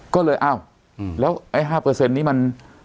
ก็เลยอ้าวอืมแล้วไอ้ห้าเปอร์เซ็นต์นี้มัน